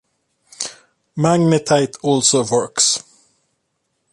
Magnetite also works.